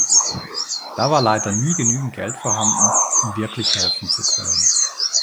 Da war leider nie genügend Geld vorhanden, um wirklich helfen zu können.